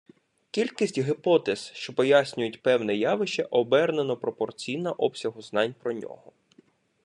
Кількість гіпотез, що пояснюють певне явище, обернено пропорційна обсягу знань про нього.